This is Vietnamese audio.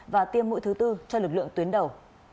và tiêm mũi thứ tư cho lực lượng tuyến đầu